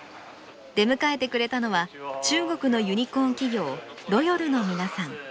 出迎えてくれたのは中国のユニコーン企業ロヨルの皆さん。